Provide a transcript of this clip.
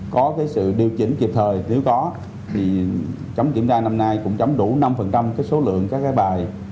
có sự điều chỉnh kịp thời nếu có thì chấm kiểm tra năm nay cũng chấm đủ năm số lượng các cái bài